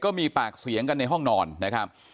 ก็มีปากเสียงกันในห้องนอนนะครับ